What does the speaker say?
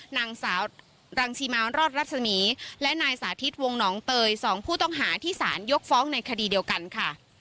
นางสาวรังสิมานรอดรัศมีและนายสาธิตวงหนองเตย๒ผู้ต้องหาที่สารยกฟ้องในคดีเดียวกันค่ะ